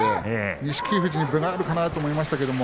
錦富士に分があるかなと思いましたね。